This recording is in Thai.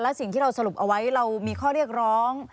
และสิ่งที่เราสรุปเอาไว้เรามีข้อเรียกร้อง